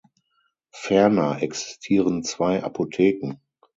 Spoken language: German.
Ferner existieren zwei Apotheken.